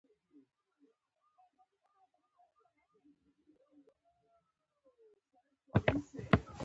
ایا زه باید په سمنګان کې اوسم؟